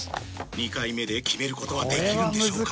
２回目で決めることはできるんでしょうか。